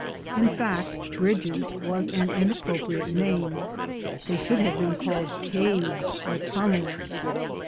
In fact, bridges was an inappropriate name; they should rather have been called caves or tunnels.